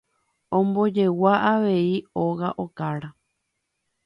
Ombojegua avei óga okára.